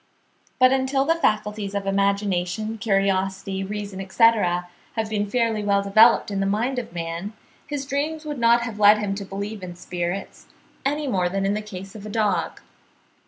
But until the faculties of imagination, curiosity, reason, etc., had been fairly well developed in the mind of man, his dreams would not have led him to believe in spirits, any more than in the case of a dog.